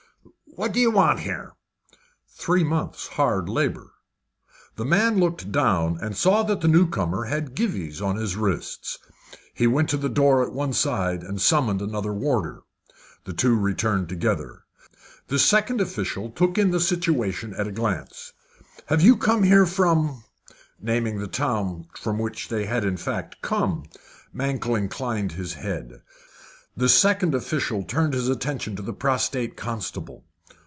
"What do you want here?" "Three months' hard labour." The man looked down and saw that the new comer had gyves upon his wrists. He went to a door at one side, and summoned another warder. The two returned together. This second official took in the situation at a glance. "Have you come from ?" naming the town from which they in fact had come. Mankell inclined his head. This second official turned his attention to the prostrate constable.